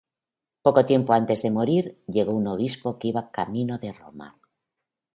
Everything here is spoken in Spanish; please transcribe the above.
Poco tiempo antes de morir, llegó un obispo que iba camino de Roma.